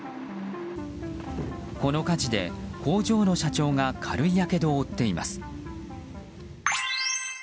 この火事で工場の社長が軽いやけどを負っています。